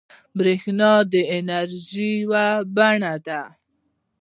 بریښنا د انرژۍ یوه بڼه ده